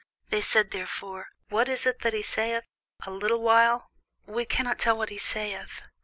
They said therefore, What is this that he saith, A little while? we cannot tell what he saith.